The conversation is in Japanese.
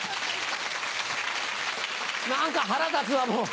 何か腹立つわもう。